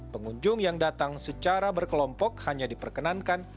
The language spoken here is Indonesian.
pengunjung yang datang secara berkelompok hanya diperkenankan